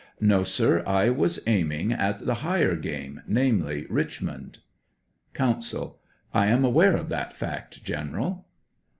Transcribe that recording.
No, sir; I was aiming at the higher game, namely, Eichmond. Counsel, 1 am aware of that fact. General.